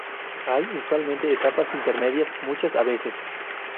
Hay, usualmente, etapas intermedias, muchas a veces.